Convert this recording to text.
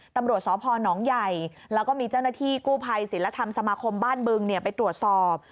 ตำรวจสพนใหญ่แล้วก็มีเจ้าหน้าที่กู้ภัยศิลธรรมสมาคมบ้านบึงไปตรวจสอบ